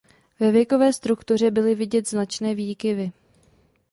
Ve věkové struktuře byly vidět značné výkyvy.